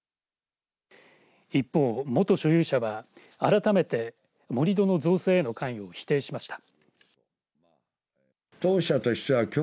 一方、元所有者は改めて、盛り土の造成への関与を否定しました。